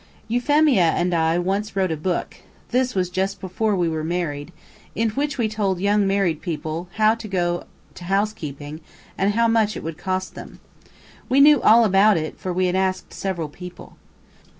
Euphemia and I once wrote a book, this was just before we were married, in which we told young married people how to go to housekeeping and how much it would cost them. We knew all about it, for we had asked several people.